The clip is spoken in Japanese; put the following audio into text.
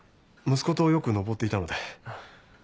息子とよく登っていたので。